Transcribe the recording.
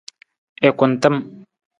I kuntam.